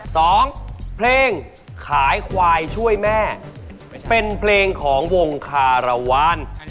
สองเพลงขายควายช่วยแม่เป็นเพลงของวงคารวาล